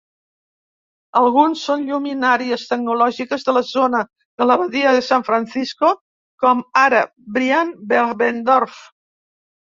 Alguns són lluminàries tecnològiques de la Zona de la Badia de San Francisco, com ara Brian Behlendorf.